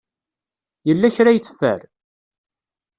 Yella kra ay teffer?